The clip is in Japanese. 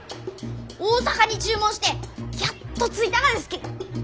大阪に注文してやっと着いたがですき！